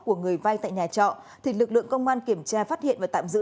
của người vay tại nhà trọ thì lực lượng công an kiểm tra phát hiện và tạm giữ